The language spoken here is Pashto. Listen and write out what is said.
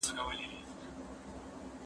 درسونه د زده کوونکي له خوا اورېدلي کيږي!